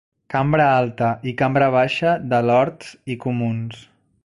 Cambra alta i Cambra baixa de Lords i Comuns